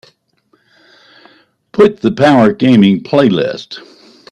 put th Power Gaming playlist